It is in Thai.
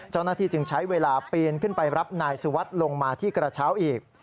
เจ้าหน้าที่จึงใช้เวลาปีนขึ้นไปรับนายสุวัสดิ์ลงมาที่กระเช้าอีก